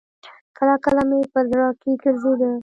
کله کله مې په زړه کښې ګرځېده.